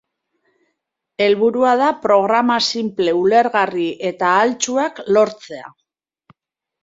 Helburua da programa sinple, ulergarri eta ahaltsuak lortzea.